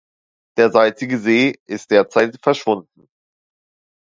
Der salzige See ist derzeit verschwunden.